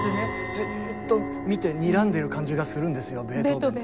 じっと見てにらんでる感じがするんですよベートーベンって。